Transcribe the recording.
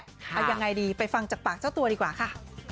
เอายังไงดีไปฟังจากปากเจ้าตัวดีกว่าค่ะ